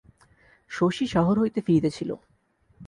শশী শহর হইতে ফিরিতেছিল।